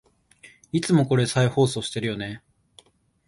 いつもこれ再放送してるよね